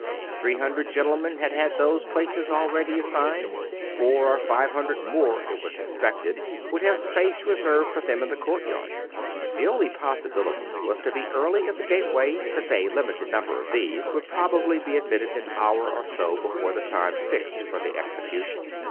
Three hundred gentlemen had had those places already assigned; four or five hun dred more, it was expected, would have space reserved for them in the courtyard. The only possibility was to be early at the gateway, since a limited number of these would probably be admitted an hour or so before the time fixed for the execution.